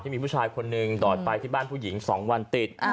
มีผู้ชายคนหนึ่งดอดไปที่บ้านผู้หญิง๒วันติด